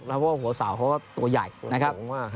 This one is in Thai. แล้วก็โหสาวเขาก็ตัวใหญ่นะครับ